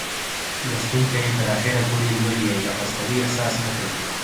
لوستونکى يې تر اخره پورې لولي او د خستګۍ احساس نه کوي.